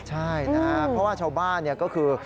ใช่เพราะว่าชาวบ้านก็คือ